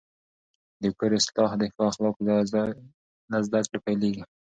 د کور اصلاح د ښو اخلاقو له زده کړې پیلېږي.